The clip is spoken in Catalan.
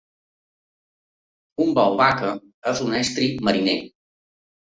Un bouvaca és un estri mariner.